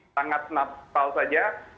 sangat salah saja